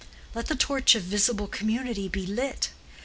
Let the torch of visible community be lit!